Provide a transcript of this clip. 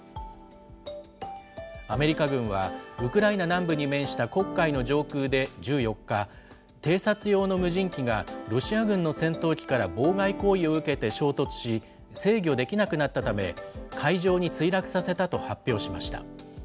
アメリカ軍はウクライナ南部に面した黒海の上空で１４日、偵察用の無人機が、ロシア軍の戦闘機から妨害行為を受けて衝突し、制御できなくなったため、海上に墜落させたと発表しました。